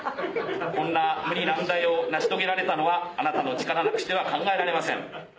こんな無理難題を成し遂げられたのはあなたの力なくしては考えられません」。